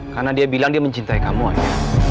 karena dia bilang dia mencintai kamu aida